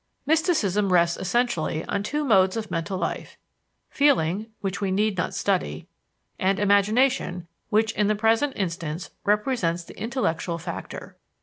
Mysticism rests essentially on two modes of mental life feeling, which we need not study; and imagination, which, in the present instance, represents the intellectual factor.